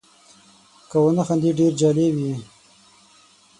که ونه خاندې ډېر جالب یې .